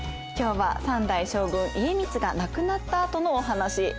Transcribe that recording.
今日は３代将軍・家光が亡くなったあとのお話。